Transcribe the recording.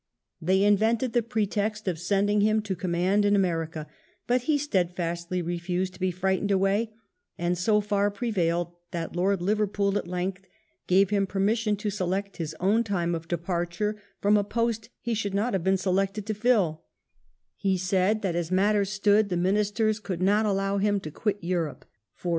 They invented the pretext of sending him to command in America, but he steadfastly refused to be frightened away, and so far prevailed that Lord Liverpool at length gave him permission to select his own time of departure from a post he should not have been selected to filL He said that, as matters stood, the Ministers could not allow him to quit Europe ; for, Ml WELLINGTON chaf.